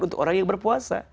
untuk orang yang berpuasa